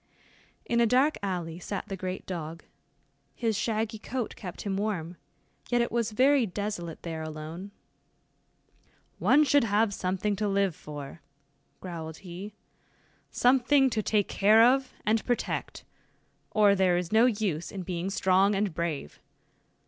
In a dark alley sat the great dog. His shaggy coat kept him warm, yet it was very desolate there alone. "One should have something to live for," growled he, "something to take care of and protect, or there is no use in being strong and brave.